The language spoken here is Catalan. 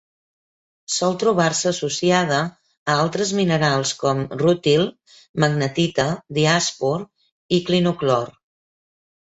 Sol trobar-se associada a altres minerals com: rútil, magnetita, diàspor i clinoclor.